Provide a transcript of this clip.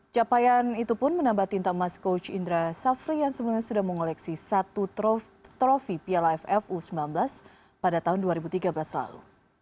capaian itu pun menambah tinta emas coach indra safri yang sebelumnya sudah mengoleksi satu trofi piala ff u sembilan belas pada tahun dua ribu tiga belas lalu